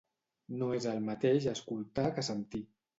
No és el mateix escoltar que sentir